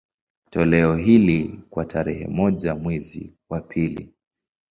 Toleo hili, kwa tarehe moja mwezi wa pili